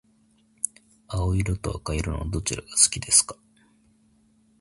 青色と赤色のどちらが好きですか？